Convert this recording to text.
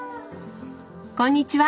こんにちは。